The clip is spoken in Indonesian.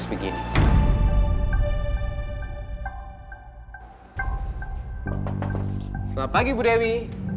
selamat pagi ibu dewi